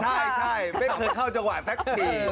ใช่เห็นเข้าจังหวะแน็กส์สี่